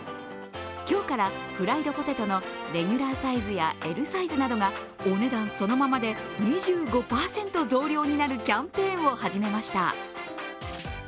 今日からフライドポテトのレギュラーサイズやＬサイズなどがお値段そのままで２５％増量になるキャンペーンを始めました。